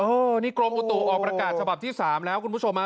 เออนี่กรมอุตุออกประกาศฉบับที่๓แล้วคุณผู้ชมฮะ